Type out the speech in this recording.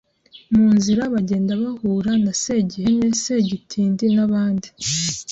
Mu nzira bagenda bahura na Segihene Segitindi nabandi